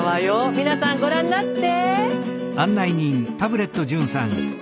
皆さんご覧なって。